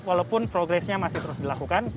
walaupun progresnya masih terus dilakukan